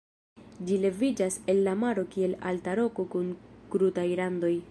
Ĝi leviĝas el la maro kiel alta roko kun krutaj randoj.